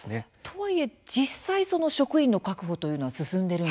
とはいえ実際その職員の確保というのは進んでるんでしょうか？